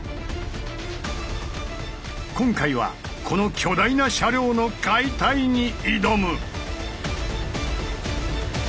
今回はこの巨大な車両の解体に挑む！